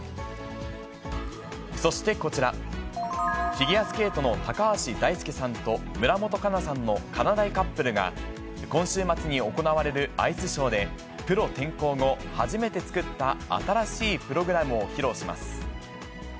そしてこちら、フィギュアスケートの高橋大輔さんと村元哉中さんのかなだいカップルが、今週末に行われるアイスショーで、プロ転向後初めて作った新しいプログラムを披露します。